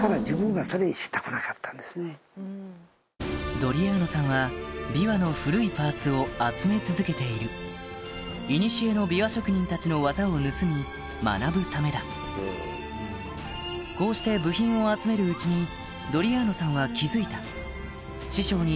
ドリアーノさんは琵琶の古いパーツを集め続けているを盗み学ぶためだこうして部品を集めるうちにドリアーノさんは気付いた師匠に